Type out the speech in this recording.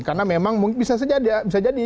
karena memang mungkin bisa jadi